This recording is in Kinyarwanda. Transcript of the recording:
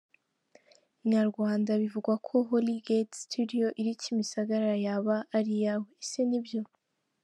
Inyarwanda: bivugwa ko Holy Gate studio iri Kimisagara yaba ari yawe ese nibyo?.